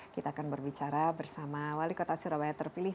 kita akan berbicara bersama wali kota surabaya terpilih